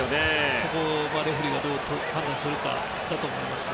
そこをレフェリーがどう判断するかだと思います。